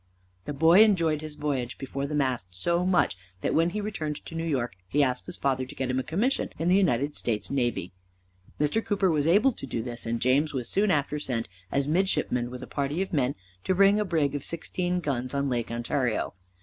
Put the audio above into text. The boy enjoyed his voyage before the mast so much that when he returned to New York he asked his father to get him a commission in the United States navy. Mr. Cooper was able to do this, and James was soon after sent as midshipman with a party of men to build a brig of sixteen guns on Lake Ontario.